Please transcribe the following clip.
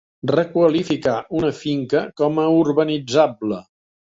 Requalificar una finca com a urbanitzable.